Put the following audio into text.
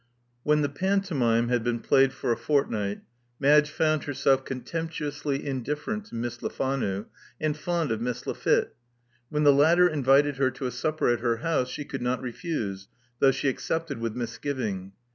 When the pantomime had been played for a fort night, Madge found herself contemptuously indifferent to Miss Lefanu, and fond of Miss Lafitte. When the latter invited her to a supper at her house, she could not refuse, though she accepted with misgiving.